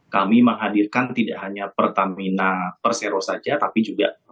kami menghadirkan tidak hanya pertamina persero saja tapi juga